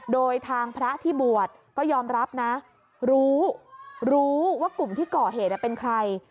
โดยทางพระที่บวชก็ยอมรับนะรู้รู้ว่ากลุ่มที่ก่อเหตุเป็นใคร